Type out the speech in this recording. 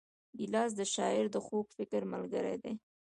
ګیلاس د شاعر د خوږ فکر ملګری دی.